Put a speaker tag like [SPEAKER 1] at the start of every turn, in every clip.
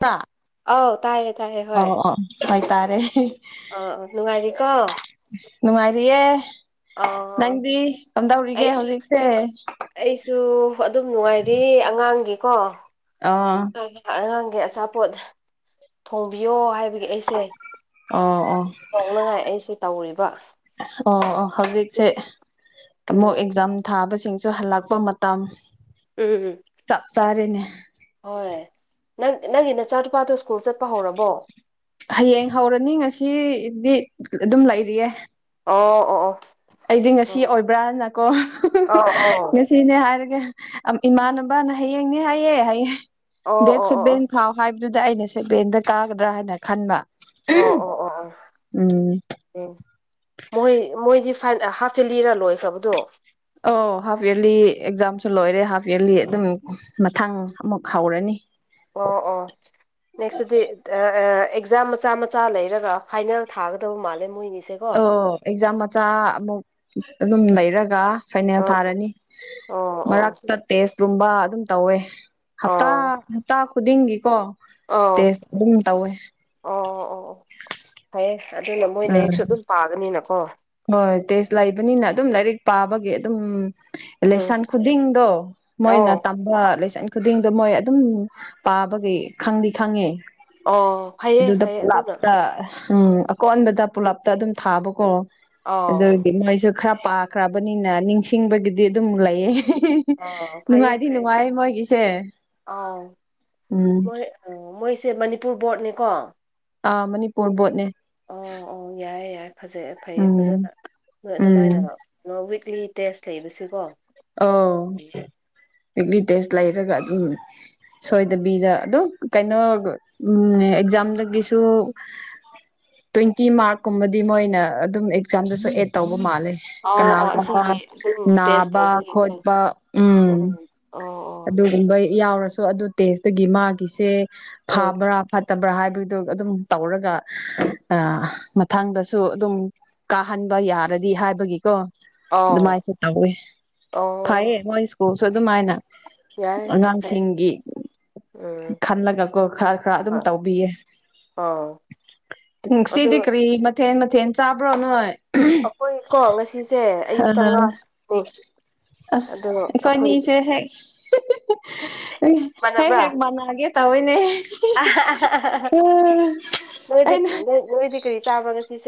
[SPEAKER 1] ꯇꯥ
[SPEAKER 2] ꯑꯥꯎ ꯇꯥꯏꯌꯦ ꯇꯥꯏꯌꯦ ꯍꯣꯏ
[SPEAKER 1] ꯑꯣ ꯑꯣ ꯍꯣꯏ ꯇꯔꯦ
[SPEAKER 2] ꯑꯥ ꯅꯨꯡꯉꯥꯏꯔꯤꯀꯣ
[SPEAKER 1] ꯅꯨꯡꯉꯥꯏꯔꯤꯌꯦ
[SPEAKER 2] ꯑꯥ
[SPEAKER 1] ꯅꯪꯗꯤ ꯀꯝꯗꯧꯔꯤꯒꯦ
[SPEAKER 2] ꯑꯩꯁꯨ
[SPEAKER 1] ꯍꯧꯖꯤꯛꯁꯦ
[SPEAKER 2] ꯑꯩꯁꯨ ꯑꯗꯨꯝ ꯅꯨꯡꯉꯥꯏꯔꯤ ꯑꯉꯥꯡꯒꯤ ꯀꯣ ꯑꯉꯥꯡꯒꯤ ꯑꯆꯥꯄꯣꯠ ꯊꯣꯡꯕꯤꯌꯣ ꯍꯥꯏꯕꯒꯤ ꯑꯩꯁꯦ
[SPEAKER 1] ꯑꯣ ꯑꯣ
[SPEAKER 2] ꯇꯧꯅꯉꯥꯏ ꯑꯩꯁꯦ ꯇꯧꯔꯤꯕ
[SPEAKER 1] ꯑꯣ ꯑꯣ ꯍꯧꯖꯤꯛꯁꯦ
[SPEAKER 2] ꯎꯝ ꯎꯝ
[SPEAKER 1] ꯑꯃꯨꯛ ꯑꯦꯛꯖꯥꯝ ꯊꯥꯕꯁꯤꯡꯁꯨ ꯍꯜꯂꯛꯄ ꯃꯇꯝ
[SPEAKER 2] ꯑꯨꯝ
[SPEAKER 1] ꯇꯥꯔꯦꯅꯦ
[SPEAKER 2] ꯍꯣꯏ ꯅꯪ ꯅꯪꯒꯤ ꯅꯆꯥꯅꯨꯄꯗꯣ ꯢꯁꯀꯨꯜ
[SPEAKER 1] ꯍꯥꯌꯦꯡ ꯍꯧꯔꯅꯤ ꯉꯁꯤꯗꯤ ꯑꯗꯨꯝ ꯂꯩꯔꯤꯌꯦ
[SPEAKER 2] ꯑꯣ ꯑꯣ ꯑꯣ
[SPEAKER 1] ꯑꯩꯗꯤ ꯉꯁꯤ
[SPEAKER 2] ꯎꯝ
[SPEAKER 1] ꯑꯣꯏꯕ꯭ꯔꯥꯅꯀꯣ
[SPEAKER 2] ꯑꯧ ꯑꯧ
[SPEAKER 1] ꯉꯁꯤꯅꯦ ꯍꯥꯏꯔꯒ ꯏꯃꯥꯟꯅꯕꯅ ꯍꯌꯦꯡꯅꯦ ꯍꯥꯏꯌꯦ ꯍꯌꯦꯡ
[SPEAKER 2] ꯑꯣ ꯑꯣ
[SPEAKER 1] ꯗꯦꯠ
[SPEAKER 2] ꯑꯣ ꯑꯣ
[SPEAKER 1] ꯁꯚꯦꯟ ꯐꯥꯎ ꯍꯥꯏꯕꯗꯨꯗ ꯑꯩꯅꯁꯨ [unintelligible] ꯀꯥꯒꯗ꯭ꯔꯥ ꯍꯥꯏꯅ ꯈꯟꯕ
[SPEAKER 2] ꯑꯣ ꯑꯣ ꯑꯣ ꯑꯣ
[SPEAKER 1] ꯎꯝ
[SPEAKER 2] ꯎꯝ ꯃꯣꯏ ꯃꯣꯏꯗꯤ [unintelligible] ꯍꯞꯖꯤꯜꯂꯤꯔ ꯂꯣꯏꯈ꯭ꯔꯕꯗꯣ
[SPEAKER 1] ꯑꯣ ꯍꯥꯐ ꯏꯌꯥꯔꯂꯤ ꯑꯦꯛꯖꯥꯝꯁꯨ ꯂꯣꯏꯔꯦ ꯍꯥꯐ ꯏꯔꯂꯤ ꯑꯗꯨꯝ ꯃꯊꯪ ꯑꯃꯨꯛ ꯍꯧꯔꯅꯤ
[SPEAKER 2] ꯑꯣ ꯑꯣ ꯅꯦꯛꯁꯇꯗꯤ ꯗꯥ ꯑꯑ ꯑꯦꯛꯖꯥꯝ ꯃꯆꯥ ꯃꯆꯥ ꯂꯩꯔꯒ ꯐꯥꯏꯅꯦꯜ ꯊꯥꯒꯗꯕ ꯃꯥꯜꯂꯦ ꯃꯣꯏꯅꯤ
[SPEAKER 1] ꯑꯣ ꯑꯦꯛꯖꯥꯝ ꯃꯆꯥ ꯑꯃꯨꯛ ꯑꯗꯨꯝ ꯂꯩꯔꯒ ꯐꯥꯏꯅꯦꯜ
[SPEAKER 2] ꯑ
[SPEAKER 1] ꯊꯥꯔꯅꯤ
[SPEAKER 2] ꯑꯣ ꯑꯣ
[SPEAKER 1] ꯃꯔꯛꯇ ꯇꯦꯁꯀꯨꯝꯕ ꯑꯗꯨꯝ ꯇꯧꯋꯦ ꯍꯞꯇꯥ-ꯍꯞꯇꯥ ꯈꯨꯗꯤꯡꯒꯤ ꯀꯣ
[SPEAKER 2] ꯑꯣ ꯑꯣ ꯑꯣ ꯐꯩꯌꯦ ꯑꯗꯨꯅꯥ ꯃꯣꯏ
[SPEAKER 1] ꯎꯝ
[SPEAKER 2] ꯂꯥꯏꯔꯤꯛꯁꯨ ꯑꯗꯨꯝ ꯄꯥꯒꯅꯤꯅ ꯀꯣ
[SPEAKER 1] ꯍꯣꯏ ꯇꯦꯠꯁ ꯂꯩꯕꯅꯤꯅ ꯑꯗꯨꯝ ꯂꯥꯏꯔꯤꯛ ꯄꯥꯕꯒꯤ ꯑꯗꯨꯝ
[SPEAKER 2] ꯎꯝ
[SPEAKER 1] ꯂꯦꯁꯟ ꯈꯨꯗꯤꯡꯗꯣ
[SPEAKER 2] ꯑꯧ
[SPEAKER 1] ꯃꯣꯏꯅ ꯇꯝꯕ ꯂꯦꯁꯟ ꯈꯨꯗꯤꯡꯗꯣ ꯃꯣꯏ ꯑꯗꯨꯝ ꯄꯥꯕꯒꯤ ꯈꯪꯗꯤ ꯈꯪꯉꯦ
[SPEAKER 2] ꯑꯣ ꯐꯩꯌꯦ
[SPEAKER 1] ꯑꯗꯨꯗ
[SPEAKER 2] ꯐꯩꯌꯦ ꯑꯗꯨꯅ
[SPEAKER 1] ꯄꯨꯂꯞꯇ ꯎꯪ ꯑꯀꯣꯟꯕꯗ ꯄꯨꯂꯞ ꯑꯗꯨꯝ ꯊꯥꯕꯀꯣ
[SPEAKER 2] ꯑꯥꯎ
[SPEAKER 1] ꯑꯗꯨꯒꯤ ꯅꯣꯏꯁꯨ ꯈꯔꯥ ꯄꯥꯈ꯭ꯔꯕꯅꯤꯅꯥ ꯅꯤꯡꯁꯤꯡꯕꯒꯤꯗꯤ ꯑꯗꯨꯝ ꯂꯩꯌꯦ ꯍꯤ ꯍꯤ
[SPEAKER 2] ꯑꯥ ꯐꯩꯌꯦ
[SPEAKER 1] ꯅꯨꯡꯉꯥꯏꯗꯤ-
[SPEAKER 2] ꯐꯩꯌꯦ
[SPEAKER 1] ꯅꯨꯡꯉꯥꯏꯌꯦ ꯃꯣꯏꯒꯤꯁꯦ
[SPEAKER 2] ꯑꯥꯎ
[SPEAKER 1] ꯎꯪ
[SPEAKER 2] ꯁꯦ ꯃꯅꯤꯄꯨꯔ ꯕꯣꯔꯗꯅꯤꯀꯣ
[SPEAKER 1] ꯑꯥ ꯃꯅꯤꯄꯨꯔ ꯕꯣꯔꯗꯅꯦ
[SPEAKER 2] ꯑꯣ ꯌꯥꯏꯌꯦ ꯌꯥꯏ ꯐꯖꯩ ꯑꯥ ꯐꯩꯌꯦ
[SPEAKER 1] ꯎꯝ
[SPEAKER 2] ꯐꯖꯅ ꯅꯣꯏ
[SPEAKER 1] ꯎꯝ
[SPEAKER 2] ꯑꯗꯨꯃꯥꯏꯅ ꯀꯩꯅꯣ ꯋꯤꯛꯂꯤ ꯇꯦꯁ ꯂꯩꯕꯁꯦꯀꯣ
[SPEAKER 1] ꯑꯧ ꯋꯤꯛꯂꯤ ꯇꯦꯠꯁ ꯂꯩꯔꯒ ꯑꯗꯨꯝ ꯁꯣꯏꯗꯕꯤꯗ ꯑꯗꯨꯝ ꯀꯩꯅꯣ ꯎꯝꯑꯦꯛꯖꯥꯝꯗꯒꯤꯁꯨ ꯇꯋ꯭ꯌꯦꯟꯇꯤ ꯃꯥꯔꯛꯀꯨꯝꯕꯗꯤ ꯃꯣꯏꯅ ꯑꯗꯨꯝ ꯑꯦꯛꯖꯥꯝꯗꯁꯨ ꯑꯦꯠ ꯇꯧꯌꯦ ꯃꯥꯂꯦ
[SPEAKER 2] ꯑꯣ ꯑꯣ
[SPEAKER 1] ꯀꯅꯥꯒꯨꯝꯕ
[SPEAKER 2] ꯑꯁꯤꯒꯤ ꯑꯗꯨꯝ ꯇꯦꯁ
[SPEAKER 1] ꯅꯥꯕ
[SPEAKER 2] ꯇꯧꯕꯒꯤꯀꯣ
[SPEAKER 1] ꯈꯣꯠꯄ ꯎꯪ
[SPEAKER 2] ꯎꯝ ꯑꯣ
[SPEAKER 1] ꯑꯗꯨꯒꯨꯝꯕꯩ ꯌꯥꯎꯔꯁꯨ ꯑꯗꯨ ꯇꯦꯠꯁꯇꯒꯤ ꯃꯥꯒꯤꯁꯦ
[SPEAKER 2] ꯑꯣ ꯎꯝ
[SPEAKER 1] ꯐꯥꯕ꯭ꯔꯥ- ꯐꯠꯇꯕ꯭ꯔꯥ ꯍꯥꯏꯕ ꯑꯗꯨꯒꯥ ꯑꯗꯨꯝ ꯇꯧꯔꯒ ꯃꯊꯪꯗꯁꯨ ꯗꯨ ꯑꯗꯨꯝ ꯀꯥꯍꯟꯕ ꯌꯥꯔꯗꯤ ꯍꯥꯏꯕꯒꯤꯀꯣ
[SPEAKER 2] ꯑꯥꯎ
[SPEAKER 1] ꯑꯗꯨꯃꯥꯏꯁꯨ ꯇꯧꯋꯦ
[SPEAKER 2] ꯑꯣ
[SPEAKER 1] ꯐꯩꯌꯦ ꯃꯣꯏ ꯁ꯭ꯀꯨꯜꯁꯨ ꯑꯗꯨꯝꯃꯥꯏꯅ
[SPEAKER 2] ꯌꯥꯏ ꯐꯔꯦ.
[SPEAKER 1] ꯅꯑꯉꯥꯡꯁꯤꯡꯒꯤ
[SPEAKER 2] ꯎꯝ
[SPEAKER 1] ꯈꯜꯂꯒꯀꯣ ꯈꯔ- ꯈꯔ ꯑꯗꯨꯝ
[SPEAKER 2] ꯍꯣꯏ
[SPEAKER 1] ꯇꯧꯕꯤꯌꯦ
[SPEAKER 2] ꯑꯥ ꯑꯗꯨ
[SPEAKER 1] ꯉꯣꯁꯤꯗꯤ ꯀꯔꯤ ꯃꯊꯦꯟ- ꯃꯊꯦꯜ ꯆꯥꯕ꯭ꯔꯥ ꯅꯣꯏ
[SPEAKER 2] ꯑꯩꯈꯣꯏ ꯀꯣ ꯉꯥꯁꯤꯁꯦ ꯑꯌꯨꯛꯇ ꯉꯥ ꯑꯅꯤ
[SPEAKER 1] ꯑꯥꯁ ꯑꯩꯈꯣꯏꯅꯤꯖꯦ ꯍꯦꯛ ꯍꯦꯛ-ꯍꯦꯛ ꯃꯥꯟꯅꯒꯦ ꯇꯧꯌꯦꯅꯦ
[SPEAKER 2] ꯑꯥꯍꯥ ꯍꯥ ꯍꯥ ꯅꯣꯏꯗꯤ ꯅꯣꯏꯗꯤ ꯀꯔꯤ ꯆꯥꯕ ꯉꯥꯁꯤꯁꯦ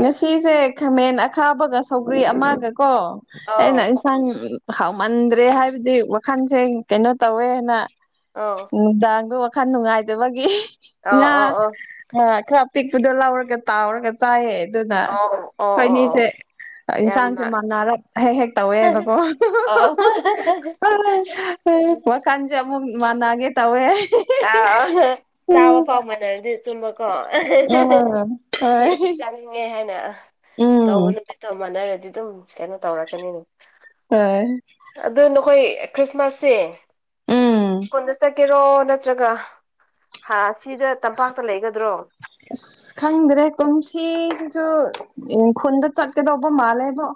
[SPEAKER 1] ꯉꯥꯁꯤꯁꯦ ꯈꯥꯃꯦꯟ ꯑꯈꯥꯕꯒꯥ ꯁꯧꯒ꯭ꯔꯤ ꯑꯃꯥꯒ ꯀꯣ ꯑꯩꯅ
[SPEAKER 2] ꯑꯥꯎ
[SPEAKER 1] ꯏꯟꯁꯥꯡ ꯍꯥꯎꯃꯟꯒ꯭ꯔꯦ ꯍꯥꯏꯕꯗꯤ ꯋꯥꯈꯜꯖꯦ ꯀꯩꯅꯣ ꯇꯧꯋꯦꯑꯅ
[SPEAKER 2] ꯑꯥꯎ
[SPEAKER 1] ꯅꯨꯡꯗꯥꯡꯗꯣ ꯋꯥꯈꯜ ꯅꯨꯡꯉꯥꯏꯇꯕꯒꯤ ꯍꯤ
[SPEAKER 2] ꯑꯥꯎ
[SPEAKER 1] ꯉꯥ
[SPEAKER 2] ꯑꯥꯎ ꯑꯥꯎ
[SPEAKER 1] ꯑꯥ ꯈꯔꯥ ꯄꯤꯛꯄꯗꯣ ꯂꯧꯔꯒ ꯇꯥꯎꯔꯒ ꯆꯥꯏꯌꯦ ꯑꯗꯨꯅ
[SPEAKER 2] ꯑꯥꯎ ꯑꯣ ꯑꯣ ꯑꯣ
[SPEAKER 1] ꯑꯩꯈꯣꯏꯅꯤꯖꯦ
[SPEAKER 2] ꯌꯥꯝꯅ
[SPEAKER 1] ꯏꯟꯁꯥꯡꯁꯦ ꯃꯥꯟꯅꯔꯞ ꯍꯦꯛ-ꯍꯦꯛ ꯇꯧꯋꯦꯕꯀꯣ
[SPEAKER 2] ꯑꯣ
[SPEAKER 1] ꯋꯥꯈꯟꯖꯦ ꯑꯃꯨꯛ ꯃꯥꯟꯅꯒꯦ ꯇꯧꯋꯦ
[SPEAKER 2] ꯑꯥ ꯍꯥ ꯆꯥꯕ
[SPEAKER 1] ꯎꯝ
[SPEAKER 2] ꯐꯪꯕꯗꯗꯤ ꯆꯨꯝꯕꯀꯣ
[SPEAKER 1] ꯎꯝ
[SPEAKER 2] ꯑꯁꯤ
[SPEAKER 1] ꯍꯣꯏ
[SPEAKER 2] ꯑꯁꯤ
[SPEAKER 1] ꯍꯤꯛ
[SPEAKER 2] ꯆꯥꯅꯤꯡꯉꯦ ꯍꯥꯏꯅ ꯑꯥ ꯇꯧꯕ ꯅꯨꯃꯤꯠꯇꯣ ꯃꯥꯟꯅꯔꯗꯤ ꯑꯗꯨꯝ ꯀꯩꯅꯣ ꯇꯧꯔꯛꯀꯅꯤ
[SPEAKER 1] ꯍꯣꯏ
[SPEAKER 2] ꯑꯗꯨ ꯅꯈꯣꯏ ꯈ꯭ꯔꯤꯠꯁꯃꯥꯁꯁꯦ
[SPEAKER 1] ꯎꯝ
[SPEAKER 2] ꯈꯨꯟꯗ ꯀꯦꯔꯣ ꯅꯠꯇ꯭ꯔꯒ ꯍꯥ ꯁꯤꯗ ꯇꯝꯄꯥꯛꯇ ꯂꯩꯒꯗ
[SPEAKER 1] ꯑꯥꯁ ꯈꯪꯗ꯭ꯔꯦ ꯀꯨꯝꯁꯤꯖꯤꯖꯨ ꯎꯪ ꯈꯨꯟꯗ ꯆꯠꯀꯗꯧꯕꯣ ꯃꯥꯜꯂꯦꯕꯣ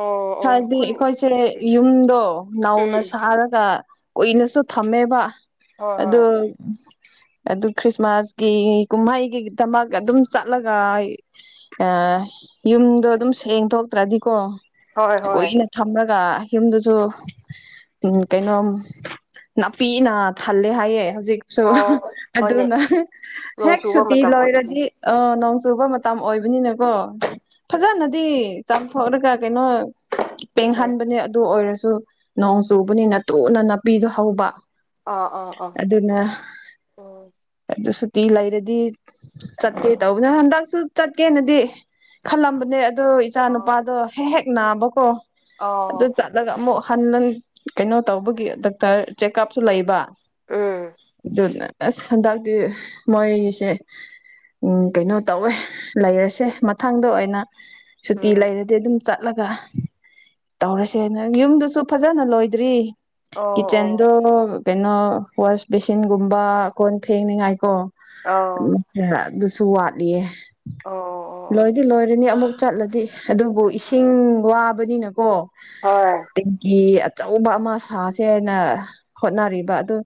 [SPEAKER 2] ꯑꯣ ꯑꯣ
[SPEAKER 1] ꯍꯥꯏꯕꯗꯤ
[SPEAKER 2] ꯈꯨꯟ
[SPEAKER 1] ꯑꯩꯈꯣꯏꯖꯦ ꯌꯨꯝꯗꯣ ꯅꯧꯅ
[SPEAKER 2] ꯎꯝ
[SPEAKER 1] ꯁꯥꯔꯒ ꯀꯨꯏꯅꯁꯨ ꯊꯝꯃꯦꯕ
[SPEAKER 2] ꯍꯣꯏ
[SPEAKER 1] ꯑꯗꯨ
[SPEAKER 2] ꯍꯣꯏ
[SPEAKER 1] ꯑꯗꯨ ꯈ꯭ꯔꯤꯁꯃꯥꯁꯀꯤ ꯀꯨꯝꯍꯩꯒꯤꯗꯃꯛ ꯑꯗꯨꯝ ꯆꯠꯂꯒ ꯌꯨꯝꯗꯣ ꯑꯗꯨꯝ ꯁꯦꯡꯊꯣꯛ ꯇ꯭ꯔꯗꯤꯀꯣ
[SPEAKER 2] ꯍꯣꯏ ꯍꯣꯏ
[SPEAKER 1] ꯀꯣꯏꯅ ꯊꯝꯂꯒ ꯌꯨꯝꯗꯨꯁꯨ ꯎꯝ ꯀꯩꯅꯣꯝ ꯅꯥꯄꯤꯅ ꯊꯜꯂꯦ ꯍꯥꯏꯌꯦ ꯍꯧꯖꯤꯛꯁꯨ
[SPEAKER 2] ꯑꯣ ꯍꯣꯏꯅꯦ
[SPEAKER 1] ꯑꯗꯨꯅ
[SPEAKER 2] ꯅꯣꯡ
[SPEAKER 1] ꯍꯦꯛ
[SPEAKER 2] ꯆꯨꯕ
[SPEAKER 1] ꯁꯨꯇꯤ
[SPEAKER 2] ꯃꯇꯝ ꯑꯣꯏꯕꯒꯤ
[SPEAKER 1] ꯂꯣꯏꯔꯗꯤ ꯆꯨꯕ ꯃꯇꯝ ꯑꯣꯏꯕꯅꯤꯅꯀꯣ ꯐꯖꯅꯗꯤ ꯆꯥꯝꯊꯣꯛꯂꯒ ꯀꯩꯅꯣ
[SPEAKER 2] ꯎꯝ
[SPEAKER 1] ꯄꯦꯡꯍꯟꯕꯅꯦ ꯑꯗꯨ ꯑꯣꯏꯔꯁꯨ ꯅꯣꯡ ꯆꯨꯕꯅꯤꯅ ꯇꯨꯅ ꯅꯥꯄꯤꯗꯣ ꯍꯧꯕ
[SPEAKER 2] ꯑꯥ ꯑꯥ ꯑꯥ
[SPEAKER 1] ꯑꯗꯨꯅ
[SPEAKER 2] ꯎꯝ
[SPEAKER 1] ꯇꯤ ꯂꯩꯔꯗꯤ ꯆꯠꯀꯦ ꯇꯧꯕꯅꯦ ꯍꯟꯗꯛꯁꯨ ꯆꯠꯀꯦꯅꯗꯤ ꯈꯜꯂꯝꯕꯅꯦ ꯑꯗꯣ ꯏꯆꯥ
[SPEAKER 2] ꯑꯥ
[SPEAKER 1] ꯅꯨꯄꯥꯗꯣ ꯍꯦꯛ ꯍꯦꯛ ꯅꯥꯕꯀꯣ ꯑꯗꯨ
[SPEAKER 2] ꯑꯥꯎ
[SPEAKER 1] ꯆꯠꯂꯒ ꯑꯃꯨꯛ ꯍꯟ ꯀꯩꯅꯣ ꯇꯧꯕꯒꯤ ꯗꯣꯛꯇꯔ ꯆꯦꯛꯑꯞꯁꯨ ꯂꯩꯕ
[SPEAKER 2] ꯎꯝ
[SPEAKER 1] ꯑꯗꯨꯅ ꯑꯁ ꯍꯟꯗꯛꯇꯤ ꯃꯣꯏꯁꯦ ꯀꯩꯅꯣ ꯇꯧꯋꯦ ꯂꯩꯔꯁꯦ ꯃꯊꯪꯗ ꯑꯣꯏꯅ ꯁꯨꯇꯤ
[SPEAKER 2] ꯎꯝ
[SPEAKER 1] ꯂꯩꯔꯗꯤ ꯑꯗꯨꯝ ꯆꯠꯂꯒ ꯇꯧꯔꯁꯦꯅ ꯌꯨꯝꯗꯨꯁꯨ ꯐꯖꯅ ꯂꯣꯏꯗ꯭ꯔꯤ
[SPEAKER 2] ꯑꯣ ꯑꯣ
[SPEAKER 1] ꯀꯤꯠꯆꯟꯗꯣ ꯀꯩꯅꯣ ꯋꯥꯁ ꯕꯦꯁꯤꯟꯒꯨꯝꯕ ꯀꯣꯟ ꯐꯦꯡꯅꯤꯉꯥꯏꯀꯣ ꯑꯗꯨ
[SPEAKER 2] ꯑꯥꯎ
[SPEAKER 1] ꯈꯔ ꯑꯗꯨꯁꯨ ꯋꯥꯠꯂꯤꯌꯦ
[SPEAKER 2] ꯑꯣ ꯑꯣ ꯑꯣ
[SPEAKER 1] ꯂꯣꯏꯗꯤ ꯂꯣꯏꯔꯅꯤ ꯑꯃꯨꯛ ꯆꯠꯂꯗꯤ
[SPEAKER 2] ꯑꯁ
[SPEAKER 1] ꯑꯗꯨꯕꯨ ꯏꯁꯤꯡ ꯋꯥꯕꯅꯤꯅꯀꯣ
[SPEAKER 2] ꯍꯣꯏ
[SPEAKER 1] ꯇꯦꯡꯀꯤ ꯑꯆꯧꯕ ꯑꯃ ꯁꯥꯁꯦꯅ ꯍꯣꯠꯅꯔꯤꯕ ꯑꯗꯨ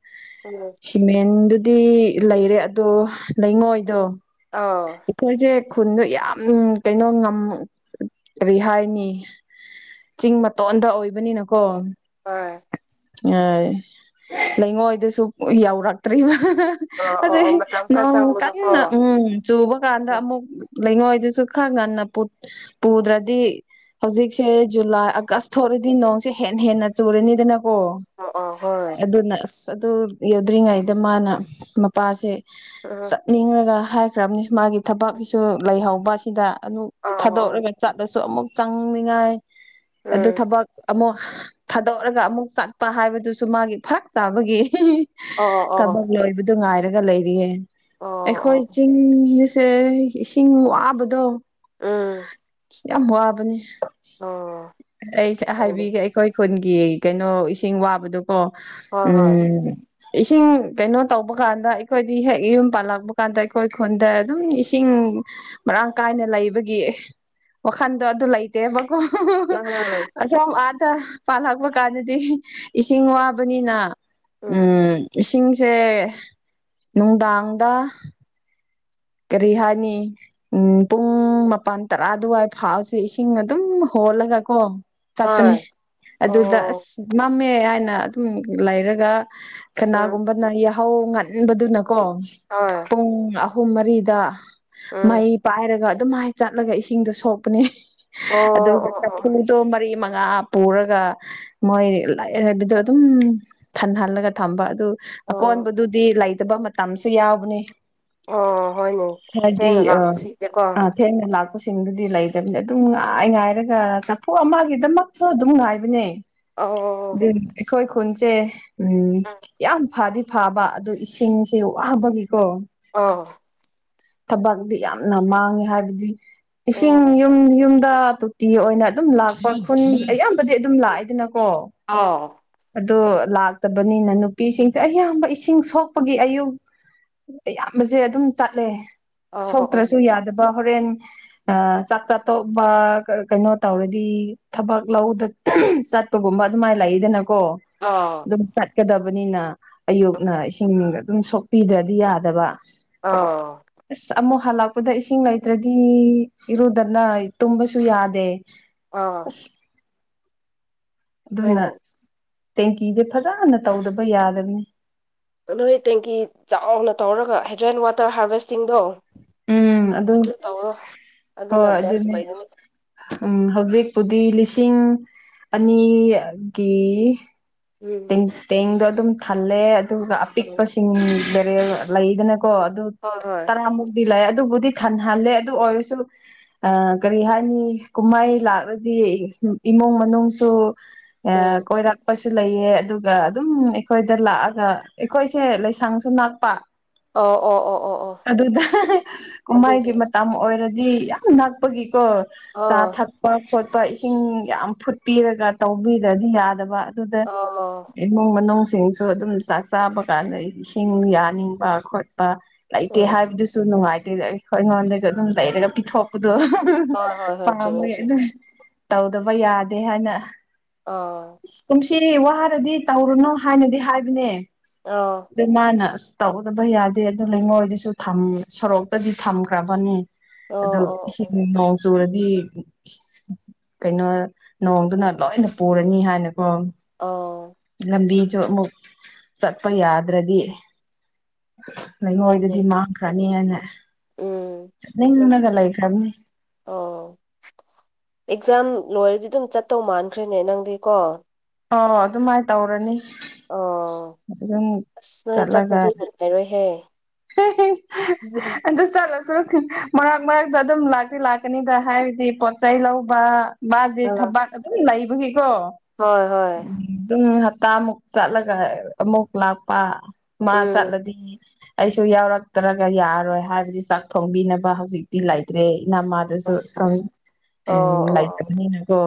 [SPEAKER 2] ꯎꯝ
[SPEAKER 1] ꯁꯤꯃꯦꯟꯗꯨ ꯗꯤ ꯂꯩꯔꯦ ꯑꯗꯣ ꯂꯩꯉꯣꯏꯗꯣ
[SPEAKER 2] ꯑꯥꯎ
[SPEAKER 1] ꯑꯩꯈꯣꯏꯁꯦ ꯈꯨꯟꯗꯣ ꯌꯥꯝ ꯀꯩꯅꯣ ꯉꯝ ꯀꯔꯤ ꯍꯥꯏꯅꯤ ꯆꯤꯡ ꯃꯇꯣꯟꯗ ꯑꯣꯏꯕꯅꯤꯅꯀꯣ
[SPEAKER 2] ꯍꯣꯢ
[SPEAKER 1] ꯑꯦ ꯂꯩꯉꯣꯏꯗꯨꯁꯨ ꯌꯧꯔꯛꯇ꯭ꯔꯤꯕ
[SPEAKER 2] ꯑꯣ ꯑꯣ ꯑꯣ
[SPEAKER 1] ꯑꯗꯨꯏ
[SPEAKER 2] ꯃꯇꯝ ꯈꯔ
[SPEAKER 1] ꯅꯣꯡ ꯀꯟꯅ
[SPEAKER 2] ꯆꯪꯕꯗꯀꯣ
[SPEAKER 1] ꯎꯝ ꯆꯨꯕ ꯀꯥꯟꯗ ꯑꯃꯨꯛ ꯂꯩꯉꯣꯏꯗꯨꯁꯨ ꯈꯔ ꯉꯟꯅ ꯄꯨꯗ꯭ꯔꯗꯤ ꯍꯧꯖꯤꯛꯁꯦ ꯖꯨꯂꯥꯏ ꯑꯥꯒꯁ ꯊꯣꯛꯔꯗꯤ ꯅꯣꯡꯁꯦ ꯍꯦꯟꯅ ꯍꯦꯟꯅ ꯆꯨꯔꯅꯤꯗꯅ
[SPEAKER 2] ꯑꯣ ꯑꯣ ꯍꯣꯏ
[SPEAKER 1] ꯑꯗꯨꯅ ꯑꯁ ꯑꯗꯨ ꯌꯧꯗ꯭ꯔꯤꯉꯩꯗ ꯃꯥꯅ ꯃꯄꯥꯁꯦ
[SPEAKER 2] ꯎꯝ
[SPEAKER 1] ꯆꯠꯅꯤꯡꯉꯒ ꯍꯥꯏꯈ꯭ꯔꯝꯅꯤ ꯃꯥꯒꯤ ꯊꯕꯛꯁꯤꯁꯨ ꯂꯩꯍꯧꯕ ꯑꯁꯤꯗ ꯑꯗꯨꯨ
[SPEAKER 2] ꯑꯣ ꯑꯣ
[SPEAKER 1] ꯊꯥꯗꯣꯛꯂꯒ ꯆꯠꯂꯁꯨ ꯑꯃꯨꯛ ꯆꯪꯅꯤꯡꯉꯥꯏ ꯑꯗꯨ
[SPEAKER 2] ꯎꯝ
[SPEAKER 1] ꯊꯕꯛ ꯑꯃꯨꯛ ꯊꯥꯗꯣꯛꯔꯒ ꯑꯃꯨꯛ ꯆꯠꯄ ꯍꯥꯏꯕꯗꯨꯁꯨ ꯃꯥꯒꯤ ꯐꯔꯛ ꯇꯥꯕꯒꯤ [unintelligible]
[SPEAKER 2] ꯑꯣ
[SPEAKER 1] ꯊꯕꯛ
[SPEAKER 2] ꯑꯣ
[SPEAKER 1] ꯂꯣꯏꯕꯗꯨ ꯉꯥꯏꯔꯒ ꯂꯩꯔꯤꯌꯦ
[SPEAKER 2] ꯑꯣ
[SPEAKER 1] ꯑꯩꯈꯣꯏ
[SPEAKER 2] ꯑꯣ
[SPEAKER 1] ꯆꯤꯡ ꯁꯦ ꯏꯁꯤꯡ ꯋꯥꯕꯗꯣ
[SPEAKER 2] ꯎꯝ
[SPEAKER 1] ꯌꯥꯝ ꯋꯥꯕꯅꯤ
[SPEAKER 2] ꯑꯣ
[SPEAKER 1] ꯑꯩꯁꯦ
[SPEAKER 2] ꯍꯣꯏꯅꯦ
[SPEAKER 1] ꯍꯥꯏꯕꯤꯒꯦ ꯑꯩꯈꯣꯏ ꯈꯨꯟꯒꯤ ꯀꯩꯅꯣ ꯏꯁꯤꯡ ꯋꯥꯕꯗꯨꯀꯣ
[SPEAKER 2] ꯍꯣꯏ ꯍꯣꯏ
[SPEAKER 1] ꯎꯝ ꯏꯁꯤꯡ ꯀꯩꯅꯣ ꯇꯧꯕ ꯀꯥꯟꯗ ꯑꯩꯈꯣꯏꯗꯤ ꯍꯦꯛ ꯌꯨꯝ ꯄꯥꯜꯂꯛꯄ ꯀꯥꯟꯗ ꯑꯩꯈꯣꯏ ꯈꯨꯟꯗ ꯑꯗꯨꯝ ꯏꯁꯤꯡ ꯃꯔꯥꯡ ꯀꯥꯏꯅ ꯂꯩꯕꯒꯤ ꯋꯥꯈꯟꯗꯣ ꯑꯗꯨ ꯂꯩꯇꯦꯕ ꯑꯁꯣꯝ ꯑꯥꯗ ꯄꯥꯜꯂꯛꯄ ꯀꯥꯟꯗꯗꯤ ꯏꯁꯤꯡ ꯋꯥꯕꯅꯤꯅ ꯎꯝ ꯏꯁꯤꯡꯁꯦ ꯅꯨꯡꯗꯥꯡꯗ ꯀꯔꯤ ꯍꯥꯏꯅꯤ ꯄꯨꯡ ꯃꯄꯟ ꯇꯔꯥ ꯑꯗꯨꯋꯥꯏ ꯐꯥꯎꯁꯦ ꯏꯁꯤꯡ ꯑꯗꯨꯝ ꯍꯣꯟ ꯍꯣꯜꯂ ꯒꯥ ꯀꯣ ꯆꯠꯄꯅꯤ
[SPEAKER 2] ꯍꯣꯏ
[SPEAKER 1] ꯑꯗꯨꯗ
[SPEAKER 2] ꯑꯣ
[SPEAKER 1] ꯑꯥꯥꯁ ꯃꯝꯃꯦ ꯍꯥꯏꯅ ꯑꯗꯨꯝ ꯂꯩꯔꯒꯥ
[SPEAKER 2] ꯎꯝ ꯍꯣꯏ ꯎꯝ
[SPEAKER 1] ꯀꯅꯥꯒꯨꯝꯕꯅ ꯌꯥꯍꯧ ꯉꯟꯕꯗꯨꯅꯥ ꯀꯣ
[SPEAKER 2] ꯑꯣ
[SPEAKER 1] ꯄꯨꯡ ꯑꯍꯨꯝ ꯃꯔꯤꯗ ꯃꯩ ꯄꯥꯏꯔꯒ ꯑꯗꯨꯍꯥꯏꯅ ꯆꯠꯂꯒ ꯏꯁꯤꯡꯗꯣ ꯁꯣꯛꯄꯅꯦ ꯑꯗꯨꯒꯥ
[SPEAKER 2] ꯑꯣ ꯑꯣ
[SPEAKER 1] ꯆꯐꯨꯗꯣ ꯃꯔꯤꯃꯛ ꯉꯥ ꯄꯨꯔꯒ ꯃꯣꯏ ꯂꯥꯛꯏ ꯍꯥꯏꯕꯗꯣ ꯑꯗꯨꯝ ꯐꯪꯍꯜꯂꯒ ꯊꯝꯕ ꯑꯗꯨ
[SPEAKER 2] ꯑꯣ
[SPEAKER 1] ꯑꯀꯣꯟꯕꯗꯨꯗꯤ ꯂꯩꯇꯕ ꯃꯇꯝꯖꯨ ꯌꯥꯎꯕꯅꯦ
[SPEAKER 2] ꯑꯣ ꯍꯣꯏꯅꯦ
[SPEAKER 1] ꯍꯥꯢꯕꯗꯤ
[SPEAKER 2] ꯊꯦꯡꯅ
[SPEAKER 1] ꯑꯥ
[SPEAKER 2] ꯂꯥꯛꯄꯁꯤꯡꯗꯤꯀꯣ ꯑꯣ
[SPEAKER 1] ꯑꯊꯦꯡꯅ ꯂꯥꯛ ꯑꯁꯤꯡꯕꯗꯤ ꯂꯩꯇꯕꯅꯤ ꯑꯗꯨꯝ ꯉꯥꯏ-ꯉꯥꯏꯔꯒꯥ ꯆꯠꯊꯣꯛꯑꯝꯒꯤꯗꯃꯛꯁꯨ ꯑꯗꯨꯝ ꯉꯥꯏꯕꯅꯦ
[SPEAKER 2] ꯑꯧ
[SPEAKER 1] ꯑꯗꯨ
[SPEAKER 2] ꯍꯣ
[SPEAKER 1] ꯑꯩꯈꯣꯏ
[SPEAKER 2] ꯍꯣ
[SPEAKER 1] ꯈꯨꯟꯁꯦ ꯎꯝ ꯌꯥꯝ ꯐꯗꯤ-ꯐꯥꯕ ꯑꯗꯨ ꯏꯁꯤꯡꯁꯦ ꯋꯥꯕꯒꯤ
[SPEAKER 2] ꯑꯣ
[SPEAKER 1] ꯊꯕꯛꯇꯤ ꯌꯥꯝꯅ ꯃꯥꯡꯉꯦ ꯍꯥꯏꯕꯗꯤ ꯏꯁꯤꯡ
[SPEAKER 2] ꯑꯣ
[SPEAKER 1] ꯌꯨꯝ- ꯌꯨꯝꯗ ꯇꯣꯇꯤ ꯑꯣꯏꯅ ꯑꯗꯨꯝ ꯂꯥꯛꯄ ꯈꯨꯟ ꯑꯌꯥꯝꯕꯗꯤ ꯑꯗꯨꯝ ꯂꯥꯛꯑꯦ ꯗꯅꯀꯣ
[SPEAKER 2] ꯑꯣ
[SPEAKER 1] ꯑꯗꯣ ꯂꯥꯛꯇꯕꯅꯤꯅꯥ ꯅꯨꯄꯤꯁꯤꯡꯖꯦ ꯑꯌꯥꯝꯕ ꯏꯁꯤꯡ ꯁꯣꯛꯄꯒꯤ ꯑꯌꯨꯛ ꯑꯌꯥꯝꯕꯖꯦ ꯑꯗꯨꯝ ꯆꯠꯂꯦ ꯁꯣꯛꯇ꯭ꯔꯕꯁꯨ ꯌꯥꯗꯕꯥ ꯍꯣꯔꯦꯟ ꯑꯥꯆꯥꯛ ꯆꯥꯊꯣꯛꯄ ꯀꯥ ꯀꯩꯅꯣ ꯇꯧꯔꯗꯤ ꯊꯕꯛ ꯂꯧꯗ ꯆꯠꯄ ꯒꯨꯝꯕ ꯑꯗꯨꯝꯍꯥꯢꯅ ꯂꯩꯗꯅ ꯀꯣ
[SPEAKER 2] ꯑꯣ
[SPEAKER 1] ꯑꯗꯨꯝ ꯆꯠꯀꯗꯕꯅꯤꯅ ꯑꯌꯨꯛꯅ ꯏꯁꯤꯡꯒ ꯑꯗꯨꯝ ꯁꯣꯛꯄꯤꯗ꯭ꯔꯥꯗꯤ ꯌꯥꯗꯕ
[SPEAKER 2] ꯑꯣ
[SPEAKER 1] ꯍꯜꯂꯛꯄꯗꯥ ꯏꯁꯤꯡ ꯂꯩꯇ꯭ꯔꯥꯗꯤ ꯏꯔꯨꯗꯅ ꯇꯨꯝꯕꯁꯨ ꯌꯥꯗꯦ
[SPEAKER 2] ꯑꯣ ꯑꯥ
[SPEAKER 1] ꯑꯗꯨꯅꯥ
[SPEAKER 2] ꯍꯣꯏꯅꯦ
[SPEAKER 1] ꯇꯦꯡꯀꯤꯗꯤ ꯐꯖꯅꯥ ꯇꯧꯗꯕ- ꯌꯥꯗꯕꯅꯤ
[SPEAKER 2] ꯅꯣꯏ ꯇꯦꯡꯀꯤ ꯆꯥꯎꯅ ꯇꯧꯔꯒꯥ ꯍꯥꯏꯗꯤ ꯔꯦꯟ ꯋꯥꯇꯔ ꯍꯥꯔꯚꯦꯁꯇꯤꯡꯗꯣ
[SPEAKER 1] ꯎꯪ ꯑꯗꯨ
[SPEAKER 2] ꯑꯗꯨꯅ
[SPEAKER 1] ꯍꯣꯏ
[SPEAKER 2] ꯕꯦꯁ
[SPEAKER 1] ꯑꯗꯨꯅꯦ
[SPEAKER 2] ꯑꯣꯏꯒꯅꯤ
[SPEAKER 1] ꯎꯪ ꯍꯧꯖꯤꯛ ꯄꯨꯗꯤ ꯂꯤꯁꯤꯡ ꯑꯅꯤꯑꯥꯒꯤ
[SPEAKER 2] ꯎꯝ
[SPEAKER 1] ꯇꯦꯡ-ꯇꯦꯡꯗꯣ ꯑꯗꯨꯝ ꯊꯜꯂꯦ ꯑꯗꯨꯒ
[SPEAKER 2] ꯎꯝ
[SPEAKER 1] ꯑꯄꯤꯛꯄꯁꯤꯡ ꯕꯦꯔꯦꯜ ꯂꯩꯗꯅ ꯀꯣ ꯑꯗꯨ
[SPEAKER 2] ꯍꯣꯏ ꯍꯣꯏ
[SPEAKER 1] ꯇꯔꯥꯃꯨꯛꯇꯤ ꯂꯩꯌꯦ ꯑꯗꯨꯕꯨꯗꯤ ꯊꯜꯍꯜꯂꯦ ꯑꯗꯨ ꯑꯣꯏꯔꯁꯨ ꯑꯥ ꯀꯔꯤ ꯍꯥꯏꯅꯤ ꯀꯨꯝꯍꯩ ꯂꯥꯛꯂꯗꯤ ꯏꯃꯨꯡ- ꯃꯅꯨꯡꯁꯨ ꯑꯥ
[SPEAKER 2] ꯎꯝ
[SPEAKER 1] ꯀꯣꯏꯔꯛꯄꯁꯨ ꯂꯩ ꯑꯗꯨꯒ ꯑꯗꯨꯝ ꯑꯩꯈꯣꯏꯗ ꯂꯥꯛꯂꯥꯒ ꯑꯩꯈꯣꯏꯁꯦ ꯂꯥꯏꯁꯪꯁꯨ ꯅꯛꯄꯥ
[SPEAKER 2] ꯑꯣ ꯑꯣ ꯑꯣ ꯑꯣ ꯑꯣ
[SPEAKER 1] ꯑꯗꯨꯗꯥ ꯍꯥ ꯍꯥ
[SPEAKER 2] ꯑꯗꯨꯒꯤ
[SPEAKER 1] ꯀꯨꯝꯃꯩꯒꯤ ꯃꯇꯝ ꯑꯣꯏꯔꯗꯤ ꯗꯤ ꯌꯥꯝ ꯅꯛꯄꯒꯤꯀꯣ ꯆꯥ
[SPEAKER 2] ꯑꯥ
[SPEAKER 1] ꯊꯛꯄ- ꯈꯣꯠꯄ ꯄꯥ ꯏꯁꯤꯡ ꯌꯥꯝ ꯐꯨꯠꯄꯤꯔꯒ ꯇꯧꯕꯤꯗ꯭ꯔꯥꯗꯤ ꯌꯥꯗꯕ
[SPEAKER 2] ꯑꯣ
[SPEAKER 1] ꯏꯁꯤꯡꯖꯨ ꯑꯗꯨꯝ ꯆꯥꯛ ꯆꯥꯕ ꯀꯥꯟꯗ ꯏꯁꯤꯡ ꯌꯥꯅꯤꯡꯕ- ꯈꯣꯠꯄ ꯂꯩꯇꯦ
[SPEAKER 2] ꯎꯝ
[SPEAKER 1] ꯍꯥꯏꯕꯗꯨꯁꯨ ꯅꯨꯡꯉꯥꯏꯇꯦꯗꯥ ꯑꯩꯈꯣꯏ ꯑꯩꯉꯣꯟꯗꯩꯖꯨ ꯑꯗꯨꯝ ꯂꯩꯔꯒ ꯄꯤꯊꯣꯛꯄ ꯑꯗꯣ ꯍꯨꯡ ꯍꯨꯡ
[SPEAKER 2] ꯍꯣꯏ ꯍꯣꯏ ꯍꯣꯏ ꯆꯨꯝꯃꯦ
[SPEAKER 1] ꯄꯥꯝꯃꯦꯅ
[SPEAKER 2] ꯆꯨꯝꯃꯦ
[SPEAKER 1] ꯑꯗꯨ ꯇꯧꯗꯕ ꯌꯥꯗꯦ ꯍꯥꯏꯅ
[SPEAKER 2] ꯑꯣ ꯑꯥ
[SPEAKER 1] ꯗꯤ ꯋꯥꯔꯗꯤ ꯇꯧꯔꯨꯅꯨ ꯍꯥꯏꯅꯗꯤ ꯍꯥꯏꯕꯅꯦ
[SPEAKER 2] ꯑꯥ
[SPEAKER 1] ꯑꯗꯣ ꯃꯥꯅ ꯑꯥꯁ ꯇꯧꯗꯕ ꯌꯥꯗꯦ ꯑꯗꯨꯅꯥ ꯂꯩꯉꯣꯏꯗꯨꯁꯨ ꯊꯝ ꯁꯣꯔꯣꯛꯇꯗꯤ ꯊꯝꯈ꯭ꯔꯕꯅꯤ
[SPEAKER 2] ꯑꯣ
[SPEAKER 1] ꯑꯗꯨ
[SPEAKER 2] ꯑꯣ
[SPEAKER 1] ꯏꯁꯤꯡ
[SPEAKER 2] ꯑꯣ
[SPEAKER 1] ꯅꯣꯡ ꯆꯨꯨꯔꯗꯤ ꯀꯩꯅꯣ ꯅꯣꯡꯗꯨꯅ ꯂꯣꯏꯅꯥ ꯄꯨꯔꯅꯤ ꯍꯥꯏꯅ ꯀꯣ
[SPEAKER 2] ꯑꯣ
[SPEAKER 1] ꯖꯨ ꯑꯃꯨꯛ ꯆꯠꯄ ꯌꯥꯗ꯭ꯔꯗꯤ
[SPEAKER 2] ꯍꯣꯏꯅꯦ
[SPEAKER 1] ꯂꯩꯉꯣꯏꯗꯨꯗꯤ ꯃꯥꯡꯈ꯭ꯔ ꯅꯤ ꯍꯥꯏꯅ
[SPEAKER 2] ꯎꯝ
[SPEAKER 1] ꯅꯤꯡꯉꯒ ꯂꯩꯈ꯭ꯔꯅꯤ
[SPEAKER 2] ꯑꯣ ꯑꯦꯛꯖꯥꯝ ꯂꯣꯏꯔꯗꯤ ꯑꯗꯨꯝ ꯆꯠꯇꯧ ꯃꯥꯟꯈ꯭ꯔꯦꯅꯦ ꯅꯪꯗꯤꯀꯣ
[SPEAKER 1] ꯑꯣ ꯑꯗꯨꯃꯥꯏ ꯇꯧꯔꯅꯤ
[SPEAKER 2] ꯑꯣ
[SPEAKER 1] ꯑꯗꯨꯝ
[SPEAKER 2] ꯑꯁ ꯅꯣꯏ ꯆꯠꯈ꯭ꯔꯗꯤ ꯕꯤꯠ ꯂꯩꯔꯣꯏꯍꯦ
[SPEAKER 1] ꯍꯦ ꯍꯦ ꯑꯗꯨ ꯆꯠꯂ ꯃꯔꯛ ꯃꯔꯛꯇ ꯑꯗꯨꯝ ꯂꯥꯛꯇꯤ ꯂꯥꯛꯀꯅꯤꯗꯥ ꯍꯥꯏꯕꯗꯤ ꯄꯣꯠꯆꯩ ꯂꯧꯕ ꯃꯥꯗꯤ
[SPEAKER 2] ꯑꯥ
[SPEAKER 1] ꯊꯕꯥꯛ ꯑꯗꯨꯝ ꯂꯩꯕꯒꯤꯀꯣ
[SPEAKER 2] ꯍꯣꯏ ꯍꯣꯏ
[SPEAKER 1] ꯗꯨꯝ ꯇꯥꯥꯃꯨꯛ ꯆꯠꯂꯒ ꯑꯃꯨꯛ ꯂꯥꯛꯄ ꯃꯥ
[SPEAKER 2] ꯎꯝ
[SPEAKER 1] ꯆꯠꯂꯗꯤ ꯑꯩꯁꯨ ꯌꯥꯎꯔꯛꯇ꯭ꯔꯒ ꯌꯥꯔꯣꯏ ꯍꯥꯏꯕꯗꯤ ꯆꯥꯛ ꯊꯣꯡꯕꯤꯅꯕ ꯍꯧꯖꯤꯛꯇꯤ ꯂꯥꯏꯇ꯭ꯔꯦ ꯅꯃꯥꯗꯨꯁꯨ ꯁꯨꯝ
[SPEAKER 2] ꯑꯣ
[SPEAKER 1] ꯎꯝ
[SPEAKER 2] ꯑꯣ ꯑꯣ
[SPEAKER 1] ꯂꯩꯇꯕꯅꯤꯅꯀꯣ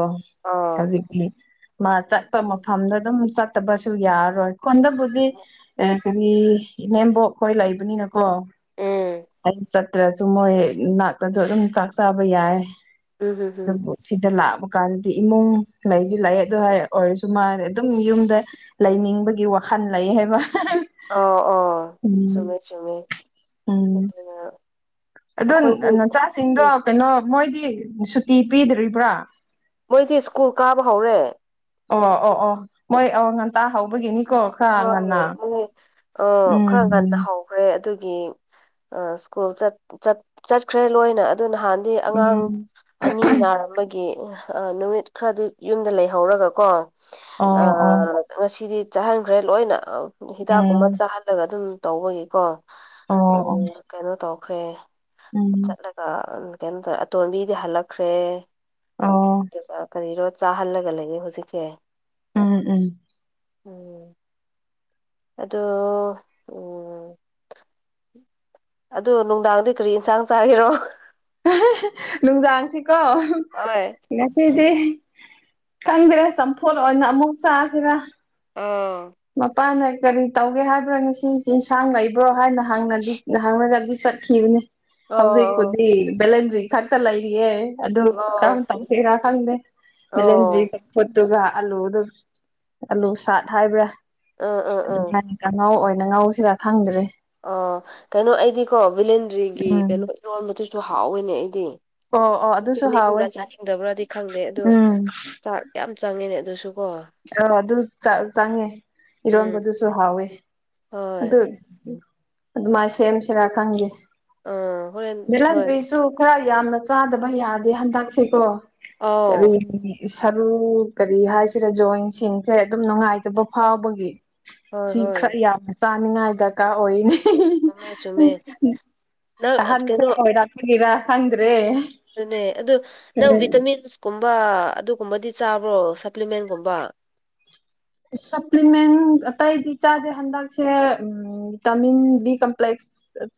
[SPEAKER 2] ꯑꯣ
[SPEAKER 1] ꯍꯧꯖꯤꯛꯤ ꯃꯥ ꯆꯠꯄ
[SPEAKER 2] ꯎꯝ
[SPEAKER 1] ꯃꯐꯝꯗ ꯑꯗꯨꯝ ꯆꯠ ꯇꯕꯁꯨ ꯌꯥꯔꯔꯣꯏ ꯈꯣꯟꯗꯕꯨꯗꯤ ꯑꯦ ꯄꯦꯃꯤ ꯏꯅꯦꯝꯕꯣꯛ ꯈꯣꯏ ꯂꯩꯕꯅꯤꯅ ꯀꯣ
[SPEAKER 2] ꯎꯝ
[SPEAKER 1] ꯑꯩ ꯆꯠꯇ꯭ꯔꯖꯨ ꯃꯣꯏ ꯅꯥꯛꯇꯗꯨ ꯑꯗꯨꯝ ꯆꯥꯛ ꯆꯥꯕ ꯌꯥꯏ
[SPEAKER 2] ꯎꯝ ꯍꯝ ꯍꯝ
[SPEAKER 1] ꯆꯝꯄꯨꯠ ꯁꯤꯗ ꯂꯥꯛ ꯃꯨꯛꯀꯥꯟꯗꯗꯤ ꯏꯃꯨꯡ ꯂꯩꯗꯤ ꯂꯥꯏ ꯑꯗꯨ ꯍꯥꯏ ꯑꯣꯏꯔꯁꯨ ꯃꯥ ꯑꯗꯨꯝ ꯌꯨꯝꯗ ꯂꯩꯅꯤꯡꯕꯒꯤ ꯋꯥ ꯈꯟ ꯂꯩꯥꯌꯦ ꯍꯥꯏꯕ
[SPEAKER 2] ꯑꯣ ꯑꯣ
[SPEAKER 1] ꯎꯝ
[SPEAKER 2] ꯆꯨꯝꯃꯦ ꯆꯨꯝꯃꯦ ꯑꯗꯨꯅꯦꯕ
[SPEAKER 1] ꯑꯗꯨ ꯅ ꯅꯆꯥꯁꯤꯡꯗꯣ ꯀꯩꯅꯣ ꯃꯣꯏꯗꯤ ꯁꯨꯇꯤ ꯄꯤꯗ꯭ꯔꯤꯕ꯭ꯔꯥ
[SPEAKER 2] ꯃꯣꯏꯗꯤ ꯁ꯭ꯀꯨꯜ ꯀꯥꯕ ꯍꯧꯔꯦ
[SPEAKER 1] ꯑꯣ ꯑꯣ ꯑꯣꯑꯣ ꯃꯣꯏ ꯑꯣ ꯉꯟꯇꯥ ꯍꯧꯕꯒꯤꯅꯤ
[SPEAKER 2] ꯍꯣꯏ ꯃꯣꯏ ꯑ ꯈꯔ ꯉꯟꯅ
[SPEAKER 1] ꯎꯝ
[SPEAKER 2] ꯍꯧꯈ꯭ꯔꯦ ꯑꯗꯨ ꯅꯤ ꯑ ꯁ꯭ꯀꯨꯜ ꯆꯠ ꯆꯠ ꯆꯠꯈ꯭ꯔꯦ ꯂꯣꯏꯅ ꯑꯗꯣ ꯅꯍꯥꯟ ꯗꯤ ꯑꯉꯥꯡ
[SPEAKER 1] ꯎꯝ
[SPEAKER 2] ꯑꯅꯤ ꯅꯥꯔꯝꯕꯒꯤ ꯑ ꯅꯨꯃꯤꯠ ꯈꯔꯗꯤ ꯌꯨꯝꯗ ꯂꯩꯍꯧꯔꯒꯀꯣ ꯑ
[SPEAKER 1] ꯑꯣ ꯑꯣ
[SPEAKER 2] ꯉꯁꯤꯗꯤ ꯆꯥꯍꯟꯈ꯭ꯔꯦ ꯂꯣꯏꯅ ꯑ ꯍꯤꯗꯥꯛꯀꯨꯝꯕ
[SPEAKER 1] ꯎꯝ
[SPEAKER 2] ꯆꯥꯍꯜꯂꯒ ꯑꯗꯨꯝ ꯇꯧꯕꯒꯤꯀꯣ
[SPEAKER 1] ꯑꯣ
[SPEAKER 2] ꯎꯝ
[SPEAKER 1] ꯑꯣ
[SPEAKER 2] ꯀꯩꯅꯣ ꯇꯧꯈ꯭ꯔꯦ
[SPEAKER 1] ꯎꯝ
[SPEAKER 2] ꯆꯠꯂꯒ ꯀꯩꯅꯣ ꯇꯧꯌꯦ ꯑꯇꯣꯟꯝꯕꯤꯗꯤ ꯍꯜꯂꯛꯈ꯭ꯔꯦ
[SPEAKER 1] ꯑꯣ
[SPEAKER 2] ꯑꯗꯨꯒ ꯀꯔꯤꯔꯣ ꯆꯥꯍꯜꯂꯒ ꯂꯩꫪꯤ ꯍꯧꯖꯤꯛꯁꯦ
[SPEAKER 1] ꯎꯝ ꯎꯝ
[SPEAKER 2] ꯎꯝ ꯑꯗꯣ ꯎꯝ ꯑꯗꯨ ꯅꯨꯡꯗꯥꯡꯗꯤ ꯀ꯭ꯔꯤ ꯌꯦꯟꯁꯥꯡ ꯆꯥꯔꯤꯔꯣ
[SPEAKER 1] ꯍꯦ ꯍꯦ ꯅꯨꯡꯗꯥꯡꯁꯤꯀꯣ
[SPEAKER 2] ꯍꯣꯏ
[SPEAKER 1] ꯉꯁꯤ ꯗꯤ ꯈꯪꯗ꯭ꯔꯦ ꯆꯝꯐꯨꯠ ꯑꯣꯏꯅ ꯑꯃꯨꯛ ꯆꯥꯁꯤꯔꯥ
[SPEAKER 2] ꯑꯥ
[SPEAKER 1] ꯃꯄꯥꯅ ꯀꯔꯤ ꯇꯧꯒꯦ ꯍꯥꯏꯕ꯭ꯔꯥ ꯉꯁꯤ ꯌꯦꯟꯁꯥꯡ ꯂꯩꯕ꯭ꯔꯣ ꯍꯥꯏꯅ ꯍꯪꯂꯗꯤ ꯍꯪꯂꯒꯗꯤ ꯆꯠꯈꯤꯕꯅꯦ
[SPEAKER 2] ꯑꯣ
[SPEAKER 1] ꯍꯧꯖꯤꯛꯄꯨꯗꯤ ꯕꯦꯂꯦꯟꯗ꯭ꯔꯤ ꯈꯛꯇ ꯂꯩꯔꯤꯌꯦ ꯑꯗꯨ
[SPEAKER 2] ꯑꯣ
[SPEAKER 1] ꯀꯔꯝ ꯇꯧꯁꯤꯔꯥ ꯈꯪꯗꯦ ꯕꯦꯂꯦꯟꯗ꯭ꯔꯤ
[SPEAKER 2] ꯑꯣ
[SPEAKER 1] ꯆꯝꯐꯨꯠ ꯑꯗꯨꯒ ꯑꯂꯨꯗꯨ ꯑꯂꯨ ꯁꯥꯠ ꯍꯥꯏꯕ꯭ꯔꯥ
[SPEAKER 2] ꯑꯥ ꯑꯥ ꯑꯥ
[SPEAKER 1] ꯑꯗꯨꯃꯥꯏꯅ ꯀꯥꯡꯍꯧ ꯑꯣꯏꯅ ꯅ ꯉꯧꯁꯤꯔꯥ ꯈꯪꯗ꯭ꯔꯦ
[SPEAKER 2] ꯑꯣ ꯀꯩꯅꯣ ꯑꯩꯗꯤꯀꯣ ꯕꯦꯂꯤꯟꯗ꯭ꯔꯤꯒꯤ
[SPEAKER 1] ꯎꯝ
[SPEAKER 2] ꯀꯩꯅꯣ ꯏꯔꯣꯟꯕꯗꯨꯁꯨ ꯍꯥꯎꯋꯤꯅꯦ ꯑꯩꯗꯤ
[SPEAKER 1] ꯑꯣ ꯑꯣ ꯑꯗꯨꯁꯨ ꯍꯥꯎꯋꯦ
[SPEAKER 2] ꯆꯥꯅꯤꯡꯒꯕ꯭ꯔꯥ ꯆꯥꯅꯤꯡꯗꯕ꯭ꯔꯥꯗꯤ ꯈꯪꯗꯦ ꯑꯗꯨ
[SPEAKER 1] ꯎꯝ
[SPEAKER 2] ꯆꯥꯛ ꯌꯥꯝ ꯆꯪꯉꯤꯅꯦ
[SPEAKER 1] ꯑ ꯑꯗꯨ ꯆ ꯆꯥꯅꯤꯡꯉꯦ
[SPEAKER 2] ꯎꯝ
[SPEAKER 1] ꯏꯔꯣꯟꯕꯗꯨꯁꯨ ꯍꯥꯎꯋꯦ
[SPEAKER 2] ꯍꯣꯏ
[SPEAKER 1] ꯑꯗꯨ ꯑꯗꯨꯃꯥꯏ ꯁꯦꯝꯁꯤꯔꯥ ꯈꯪꯗꯦ
[SPEAKER 2] ꯑꯥ ꯍꯣꯔꯦꯟ ꯍꯣꯏ
[SPEAKER 1] ꯕꯦꯂꯦꯟꯗ꯭ꯔꯤꯁꯨ ꯈꯔ ꯌꯥꯝꯅ ꯆꯥꯗꯕ ꯌꯥꯗꯦ ꯍꯟꯗꯛꯁꯦꯀꯣ
[SPEAKER 2] ꯑꯥꯎ
[SPEAKER 1] ꯀꯔꯤ ꯁꯔꯨ ꯀꯔꯤ ꯍꯥꯏꯁꯤꯔ ꯖꯣꯏꯟꯁꯤꯡꯁꯦ ꯑꯗꯨꯝ ꯅꯨꯡꯉꯥꯏꯇꯕ ꯐꯥꯎꯕꯒꯤ
[SPEAKER 2] ꯍꯣꯏ
[SPEAKER 1] ꯁꯤ
[SPEAKER 2] ꯍꯣꯏ
[SPEAKER 1] ꯈꯔ ꯌꯥꯝꯅ ꯆꯥꯅꯤꯡꯉꯥꯏ ꯗꯔꯀꯥꯔ ꯑꯣꯏꯅꯤ
[SPEAKER 2] ꯆꯨꯝꯃꯦ ꯆꯨꯝꯃꯦ ꯅꯪ ꯀꯩꯅꯣ
[SPEAKER 1] ꯒꯤꯔ ꯈꯪꯗ꯭ꯔꯦ
[SPEAKER 2] ꯑꯗꯨꯅꯦ ꯑꯗꯨ ꯅꯪ ꯚꯤꯇꯥꯃꯤꯟꯁ ꯀꯨꯝꯕ ꯑꯗꯨ ꯀꯨꯝꯕꯗꯤ ꯆꯥꯕ꯭ꯔꯣ ꯁꯄ꯭ꯂꯤꯃꯦꯟꯒꯨꯝꯕ
[SPEAKER 1] ꯁꯞꯄ꯭ꯂꯤꯃꯦꯟ ꯑꯇꯩꯗꯤ ꯆꯥꯗꯦ ꯍꯟꯗꯛꯁꯦ ꯎ ꯚꯤꯇꯥꯃꯤꯟ ꯕꯤ ꯀꯝꯄ꯭ꯂꯦꯛꯁ [unintelligible]